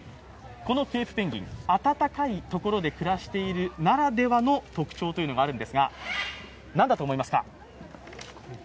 このケープペンギン、暖かいところで暮らしているならではの特徴があるんですが何だと思いますか？